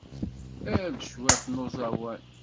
Err-d cwiṭ n uẓawan.